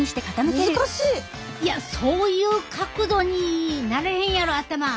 いやそういう角度になれへんやろ頭。